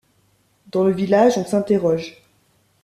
Dans le village, on s'interroge.